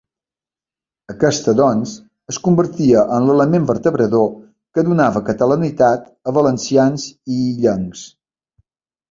Aquesta, doncs, es convertia en l'element vertebrador que donava catalanitat a valencians i illencs.